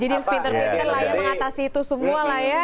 jadi in spirit itu lah yang mengatasi itu semua lah ya